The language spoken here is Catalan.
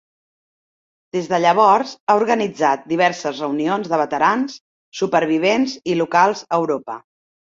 Des de llavors, ha organitzat diverses reunions de veterans, supervivents i locals a Europa.